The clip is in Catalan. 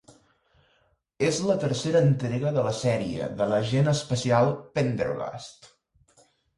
És la tercera entrega de la sèrie de l'agent especial Pendergast.